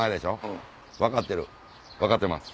分かってる分かってます。